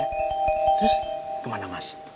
terus kemana mas